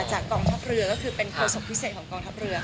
กองทัพเรือก็คือเป็นโฆษกพิเศษของกองทัพเรือ